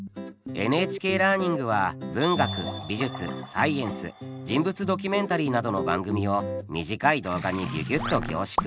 「ＮＨＫラーニング」は文学美術サイエンス人物ドキュメンタリーなどの番組を短い動画にギュギュッと凝縮。